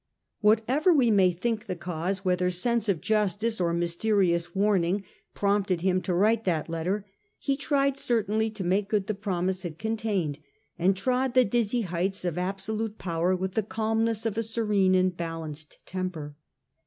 Whatever we may think the cause, whether sense of justice or mysteri ous warning prompted him to write that letter, he tried certainly to make good the promise it contained, and trod the dizzy heights of absolute power with the calmness of a serene and balanced temper.